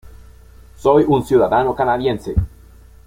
Soy un ciudadano canadiense.